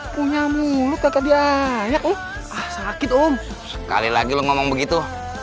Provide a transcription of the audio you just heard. punya mulut kakak dia ayah umpah sakit om sekali lagi ngomong begitu